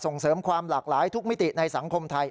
ส่งเสริมความหลากหลายทุกมิติในสังคมไทย